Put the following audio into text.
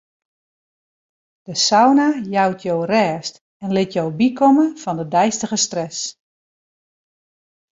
De sauna jout jo rêst en lit jo bykomme fan de deistige stress.